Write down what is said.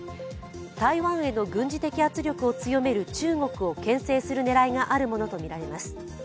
台湾への軍事的圧力を強める中国を牽制する狙いがあるものとみられます。